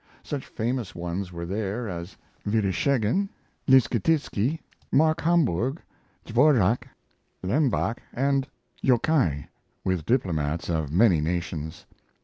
Such famous ones were there as Vereshchagin, Leschetizky, Mark Hambourg, Dvorak, Lenbach, and Jokai, with diplomats of many nations.